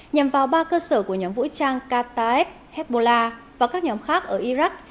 nhằm vào ba cơ sở của nhóm vũ trang qatarev hezbollah và các nhóm khác ở iraq